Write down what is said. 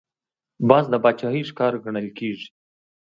باز د باچاهۍ ښکار ګڼل کېږي